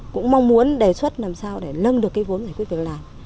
cũng mong muốn đề xuất làm sao để lưng được vốn giải quyết việc làm